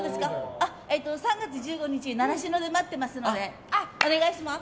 ３月１５日習志野で待ってますのでお願いします。